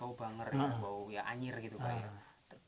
bau banger bau ya anjir gitu pak ya